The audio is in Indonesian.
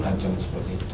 pancam seperti itu